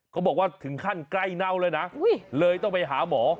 เขาบอกว่าถึงขั้นใกล้เน่าเลยนะเลยต้องไปหาหมอ